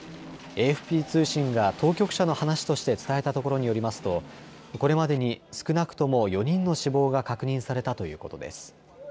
ＡＦＰ通信が当局者の話として伝えたところによりますとこれまでに少なくとも４人の死亡が確認されたということです。